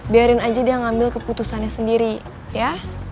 biarin aja dia ngambil keputusannya sendiri ya